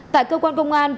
tại cơ quan công an